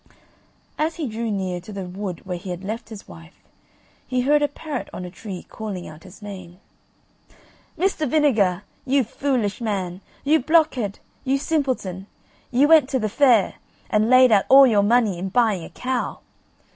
As he drew near to the wood where he had left his wife, he heard a parrot on a tree calling out his name: "Mr. Vinegar, you foolish man, you blockhead, you simpleton; you went to the fair, and laid out all your money in buying a cow.